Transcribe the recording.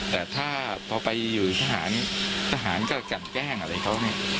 แต่ถ้าพอไปอยู่ทหารทหารก็กันแกล้งอะไรเขาเนี่ย